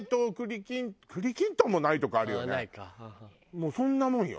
もうそんなもんよ。